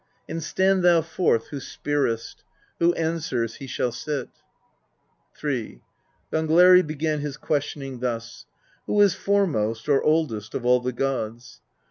And stand thou forth who speirestj Who answers, he shall sit. III. Gangleri began his questioning thus: "Who is fore most, or oldest, of all the gods?"